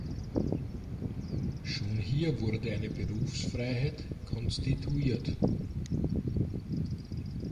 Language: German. Schon hier wurde eine Berufsfreiheit konstituiert.